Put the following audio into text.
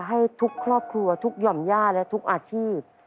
ให้ทุกครอบครัวทุกหย่อมย่าและทุกอาชีพ